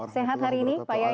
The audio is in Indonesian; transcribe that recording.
sehat hari ini pak yai